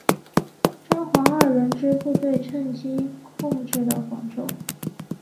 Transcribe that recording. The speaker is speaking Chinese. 张黄二人之部队趁机控制了广州。